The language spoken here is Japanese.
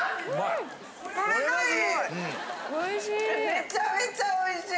めちゃめちゃおいしい。